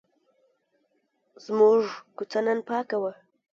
زموږ کوڅه نن پاکه وه.